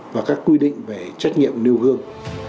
và các quy định về trách nhiệm nêu gương